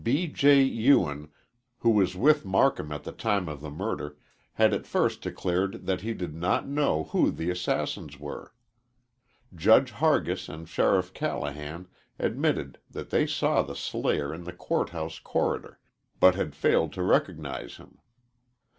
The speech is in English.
B. J. Ewen, who was with Marcum at the time of the murder, had at first declared that he did not know who the assassins were. Judge Hargis and Sheriff Callahan admitted that they saw the slayer in the court house corridor but had failed to recognize him.